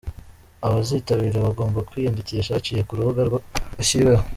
Abazitabira bagomba kwiyandikisha baciye ku rubuga bashyiriweho.